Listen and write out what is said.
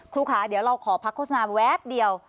ครูค่ะเดี๋ยวเราขอพักโฆษณาแวบเดียว